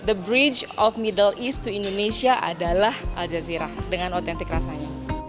indonesia justru memang the bridge of middle east indonesia adalah aljazeera dengan otentik rasanya